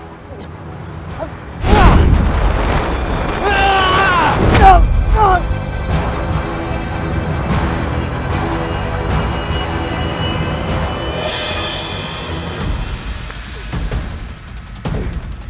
kedih akan kuciri